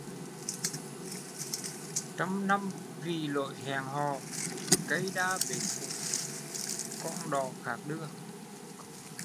Trăm năm vì lỗi hẹn hò, cây đa bến cộ con đò khác đưa